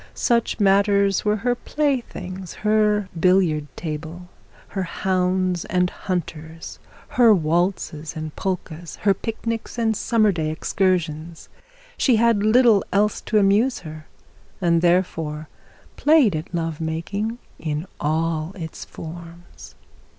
Such matters were her playthings, her billiard table, her hounds and hunters, her waltzes and polkas, her picnics and summer day excursions. She had little else to amuse her, and therefore played at love making in all its forms.